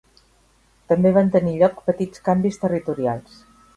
També van tenir lloc petits canvis territorials.